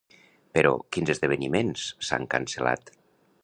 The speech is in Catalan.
Però, quins esdeveniments s'han cancel·lat?